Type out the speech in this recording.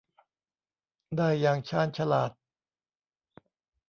ได้อย่างชาญฉลาด